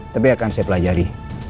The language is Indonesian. tapi akan saya pelajari